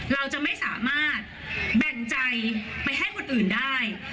เราจะไม่สามารถแบ่งใจไปให้คนอื่นได้